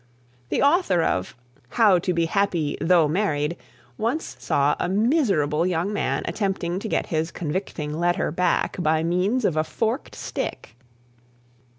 The author of How to Be Happy, Though Married, once saw a miserable young man attempting to get his convicting letter back by means of a forked stick.